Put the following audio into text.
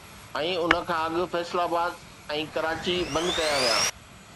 ۽ ان کان اڳ فيصل آباد ۽ ڪراچي بند ڪيا ويا